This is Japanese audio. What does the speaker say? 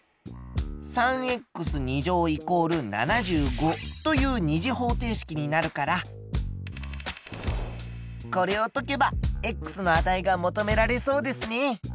３＝７５という二次方程式になるからこれを解けばの値が求められそうですね。